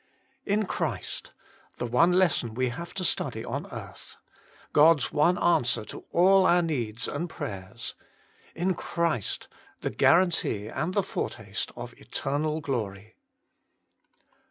IN CHRIST ! the one lesson we have to study on earth. God's one answer to all our needs and prayers. IN CHRIST ! the guarantee and the foretaste of eternal glory.